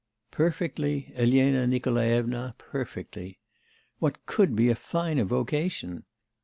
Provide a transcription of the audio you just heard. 'Perfectly, Elena Nikolaevna, perfectly. What could be a finer vocation?